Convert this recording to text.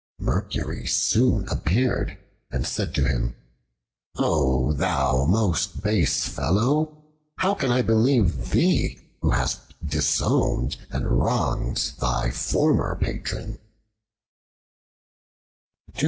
Mercury soon appeared and said to him, "O thou most base fellow? how can I believe thee, who hast disowned and wronged thy former patron?"